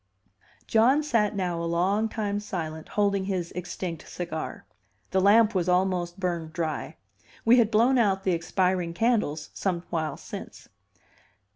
'" John sat now a long time silent, holding his extinct cigar. The lamp was almost burned dry; we had blown out the expiring candles some while since.